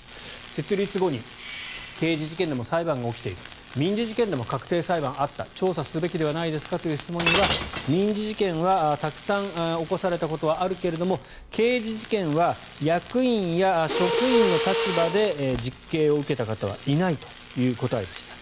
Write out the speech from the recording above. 設立後に刑事事件で裁判が起きている民事事件でも確定裁判があった調査すべきではないですかという質問には民事事件はたくさん起こされたことはあるけど、刑事事件は役員や職員の立場で実刑を受けた方はいないという答えでした。